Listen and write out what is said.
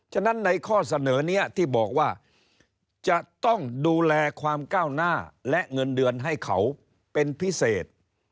ฉะนั้นในข้อเสนอนี้ที่บอกว่าจะต้องดูแลความก้าวหน้าและเงินเดือนให้เขาเป็นพิเศษ